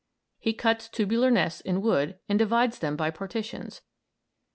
He cuts tubular nests in wood and divides them by partitions.